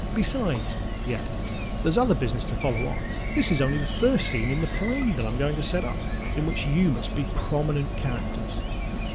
Besides," he added, "there's other business to follow on: this is only the first scene in the play that I'm going to get up, and in which you must be prominent characters."